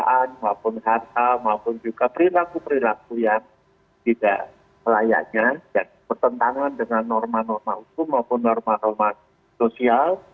kalau pemerintah pameran kekayaan maupun kata maupun juga perilaku perilaku yang tidak layaknya dan bertentangan dengan norma norma usum maupun norma norma